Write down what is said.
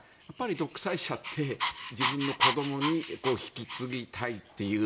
独裁者って、自分の子どもに引き継ぎたいという